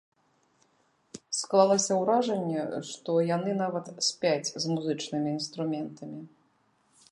Склалася ўражанне, што яны нават спяць з музычнымі інструментамі.